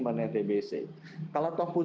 menurut tb c kalau toh pun